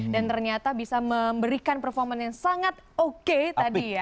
dan ternyata bisa memberikan performa yang sangat oke tadi ya